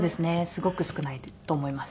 すごく少ないと思います。